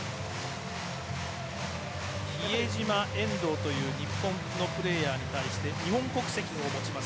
比江島、遠藤という日本のプレーヤーと日本国籍を持ちます